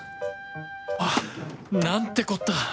あぁなんてこった。